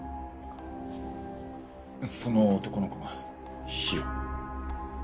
その男の子が火を？